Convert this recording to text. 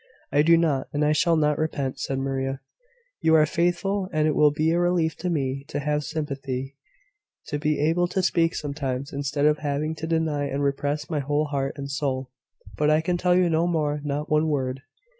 "I do not, and I shall not repent," said Maria. "You are faithful: and it will be a relief to me to have sympathy to be able to speak sometimes, instead of having to deny and repress my whole heart and soul. But I can tell you no more not one word."